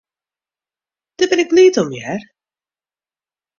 Dêr bin ik bliid om, hear.